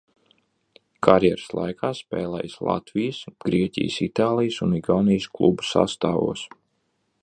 Karjeras laikā spēlējis Latvijas, Grieķijas, Itālijas un Igaunijas klubu sastāvos.